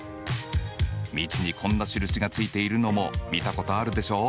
道にこんな印がついているのも見たことあるでしょ？